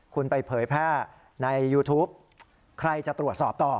คุณไปเผยแพร่ในยูทูปใครจะตรวจสอบต่อ